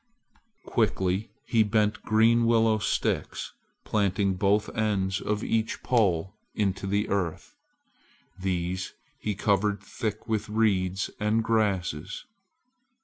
Quickly he bent green willow sticks, planting both ends of each pole into the earth. These he covered thick with reeds and grasses.